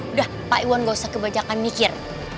udah pak iwan nggak usah kebajakan mikir